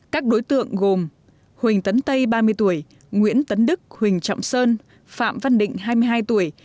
các đối tượng gồm huỳnh tấn tây ba mươi tuổi nguyễn tấn đức huỳnh trọng sơn phạm văn định hai mươi hai tuổi